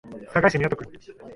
堺市南区